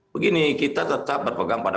begini kita tetap berpegang pada